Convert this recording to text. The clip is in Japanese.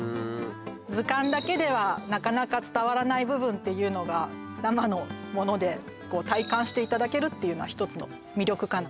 図鑑だけではなかなか伝わらない部分っていうのが生のもので体感していただけるっていうのは１つの魅力かな